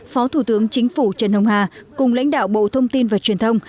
phó thủ tướng chính phủ trần hồng hà cùng lãnh đạo bộ thông tin và truyền thông